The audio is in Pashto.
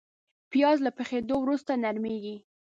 پیاز له پخېدو وروسته نرمېږي